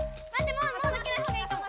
もうのっけないほうがいいかも。